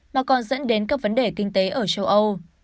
mà còn dẫn đến các vấn đề kinh tế ở châu âu